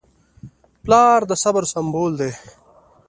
پلار د صبر سمبول دی.